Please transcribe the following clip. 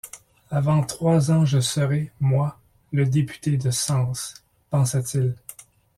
Avant trois ans je serai, moi, le député de Sens, pensa-t-il.